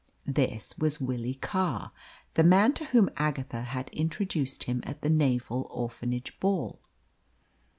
This was Willie Carr, the man to whom Agatha had introduced him at the naval orphanage ball.